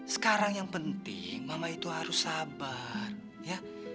sekarang yang penting mama itu harus sabar ya